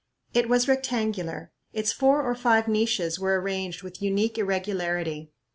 It was rectangular. Its four or five niches were arranged with unique irregularity.